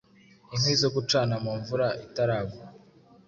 Inkwi zo gucana mumvura itaragwa